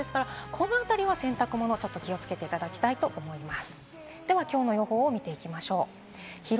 このあたりは洗濯物、ちょっと気をつけていただきたいと思います。